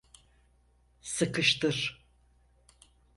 Sıkıştır.